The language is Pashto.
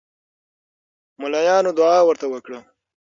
ملاینو دعا ورته وکړه.